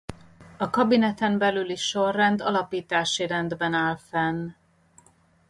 A Kabineten belüli sorrend alapítási rendben áll fenn.